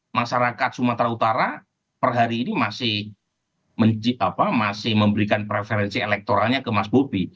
masyarakat sumatera utara per hari ini masih memberikan preferensi elektoralnya ke mas bobi